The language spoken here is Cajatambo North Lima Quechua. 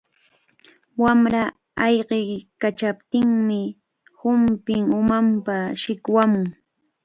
Wamra ayqiykachaptinmi humpin umanpa shikwamun.